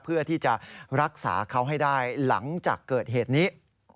เพื่อที่จะรักษาเขาให้ได้หลังจากเกิดเหตุนี้